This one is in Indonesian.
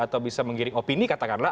atau bisa mengirim opini katakanlah